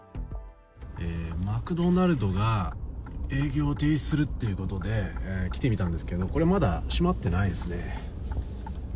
マクドナルドが営業を停止するっていうことで来てみたんですけど、これまだ閉まってないですね。